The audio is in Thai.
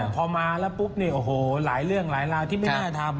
พอมาแล้วปุ๊บเนี่ยโอ้โหหลายเรื่องหลายราวที่ไม่น่าทำ